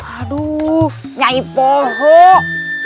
aduh nyai bohong